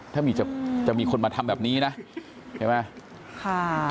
ถ้ามีจะมีคนมาทำแบบนี้นะเห็นไหมค่ะ